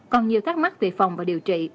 còn nhiều thắc mắc về phòng và điều trị